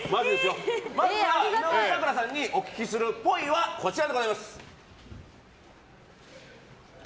まずは井上咲楽さんにお聞きする、っぽいはこちら。